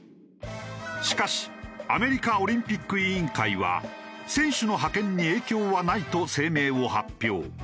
しかしアメリカオリンピック委員会は選手の派遣に影響はないと声明を発表。